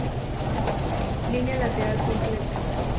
Línea lateral completa.